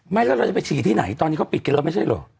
แล้วเราจะไปฉี่ที่ไหนตอนนี้เขาปิดกันแล้วไม่ใช่เหรอ